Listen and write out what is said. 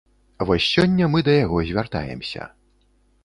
Вось сёння мы да яго звяртаемся.